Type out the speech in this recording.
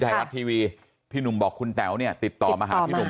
ไทยรัฐทีวีพี่หนุ่มบอกคุณแต๋วเนี่ยติดต่อมาหาพี่หนุ่ม